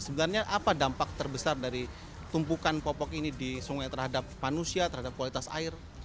sebenarnya apa dampak terbesar dari tumpukan popok ini di sungai terhadap manusia terhadap kualitas air